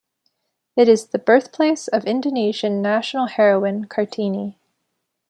It is the birthplace of Indonesian national heroine Kartini.